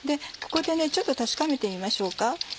ここでちょっと確かめてみましょうか。